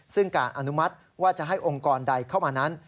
ซึ่งการอนุมัติว่าจะให้องค์กรใดเข้ามานั้น